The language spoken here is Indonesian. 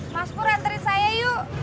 mas pur hantarin saya yuk